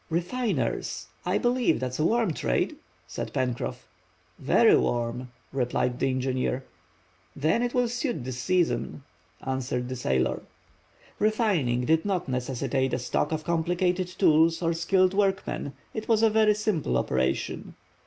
"Refiners! I believe that's a warm trade?" said Pencroff. "Very warm!" replied the engineer. "Then it will suit this season!" answered the sailor. Refining did not necessitate a stock of complicated tools or skilled workmen; it was a very simple operation.